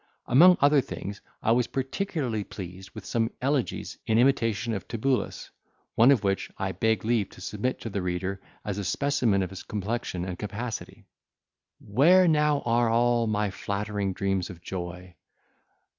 Among other things I was particularly pleased with some elegies, in imitation of Tibullus; one of which I beg leave to submit to the reader as a specimen of his complexion and capacity:— Where now are all my flattering dreams of joy?